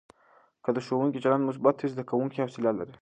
که د ښوونکي چلند مثبت وي، زده کوونکي حوصله لري.